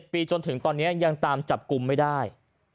ปีจนถึงตอนนี้ยังตามจับกลุ่มไม่ได้